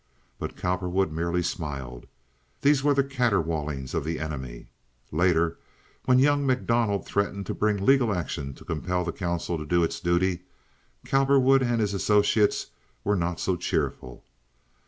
But Cowperwood merely smiled. These were the caterwaulings of the enemy. Later, when young MacDonald threatened to bring legal action to compel the council to do its duty, Cowperwood and his associates were not so cheerful.